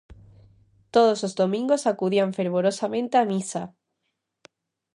Todos os domingos acudían fervorosamente a misa.